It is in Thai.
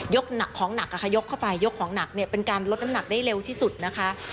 ของหนักค่ะยกเข้าไปยกของหนักเนี่ยเป็นการลดน้ำหนักได้เร็วที่สุดนะคะ